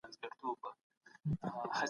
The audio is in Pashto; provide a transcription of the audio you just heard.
تر واده وروسته ئې له مجبوريته د خرڅولو کوښښ کوي